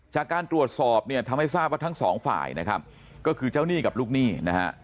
จากการตรวจสอบเนี่ยทำให้ทราบว่าทั้งสองฝ่ายนะครับก็คือเจ้าหนี้กับลูกหนี้นะฮะ